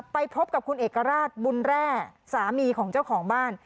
ไปพบกับคุณเอกราชบุญแร่สามีของเจ้าของบ้าน